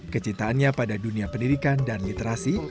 kecintaannya pada dunia pendidikan dan literasi